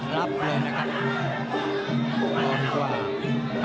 รับเลยนะครับ